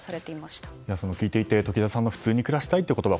聞いていて、時枝さんの普通に暮らしたいという言葉。